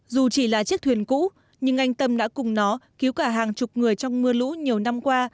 dù chỉ là chiếc thuyền cũ nhưng anh tâm đã cùng nó cứu cả hàng chục người trong mưa lũ nhiều năm qua